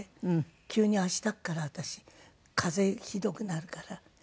急に「明日から私風邪ひどくなるから休む」。